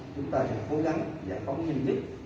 chúng ta sẽ cố gắng giải phóng nhân dịch